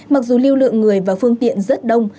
mặc dù lưu lượng người và phương tiện rất đông